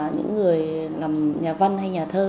những người làm nhà văn hay nhà thơ